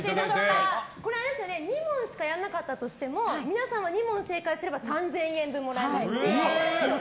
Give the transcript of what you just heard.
これ、２問しかやらなかったとしても皆さんは２問正解すれば３０００円分もらえますし。